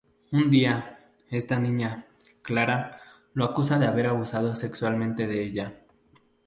Un día, esta niña, Klara, lo acusa de haber abusado sexualmente de ella.